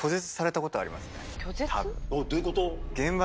拒絶？どういうこと？